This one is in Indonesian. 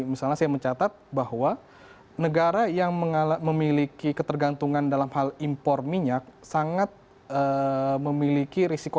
misalnya saya mencatat bahwa negara yang memiliki ketergantungan dalam hal impor minyak sangat memiliki risiko